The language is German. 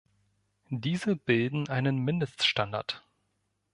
Diese bilden einen Mindeststandard.